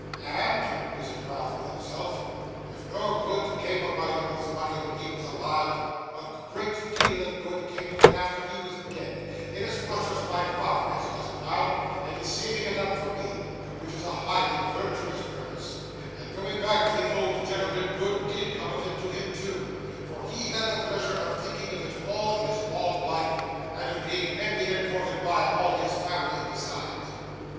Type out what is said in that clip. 'And,' reasoned Ralph with himself, 'if no good came of my uncle's money when he was alive, a great deal of good came of it after he was dead, inasmuch as my father has got it now, and is saving it up for me, which is a highly virtuous purpose; and, going back to the old gentleman, good DID come of it to him too, for he had the pleasure of thinking of it all his life long, and of being envied and courted by all his family besides.